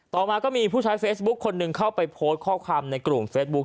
ต่อมาก็มีผู้ใช้เฟซบุ๊คคนหนึ่งเข้าไปโพสต์ข้อความในกลุ่มเฟซบุ๊ค